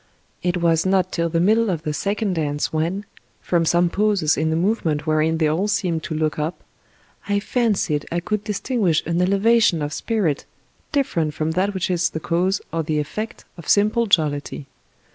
It was not till the middle of the second dance when, from some pauses in the movement wherein they all seemed to look up, I fancied I could distinguish an elevation of spirit different from that which is the cause or the effect of simple jollity.